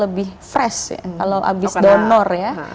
lebih fresh ya kalau habis donor ya